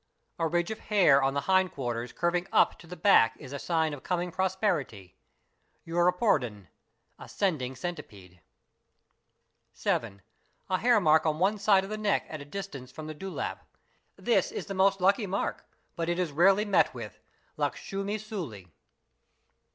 A ridge of hair on the hind quarters curving wp to the back is a i sign of coming prosperity, (erwpiurdn—ascending centipede). 7. A hairmark on one side of the neck at a distance from the dew lap. This is the most lucky mark but is rarely met with (lakshumi sult).